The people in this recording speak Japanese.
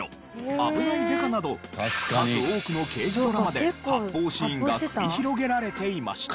『あぶない刑事』など数多くの刑事ドラマで発砲シーンが繰り広げられていました。